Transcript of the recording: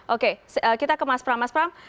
oke kita ke mas pram